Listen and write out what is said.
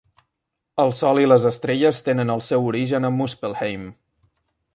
El sol i les estrelles tenen el seu origen a Muspelheim.